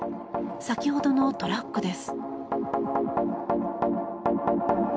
先ほどのトラックです。